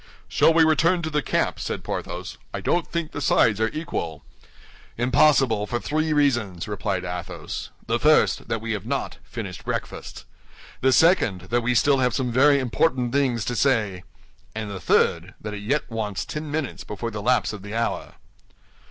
"Shall we return to the camp?" said Porthos. "I don't think the sides are equal." "Impossible, for three reasons," replied Athos. "The first, that we have not finished breakfast; the second, that we still have some very important things to say; and the third, that it yet wants ten minutes before the lapse of the hour."